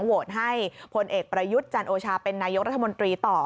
โหวตให้พลเอกประยุทธ์จันโอชาเป็นนายกรัฐมนตรีต่อ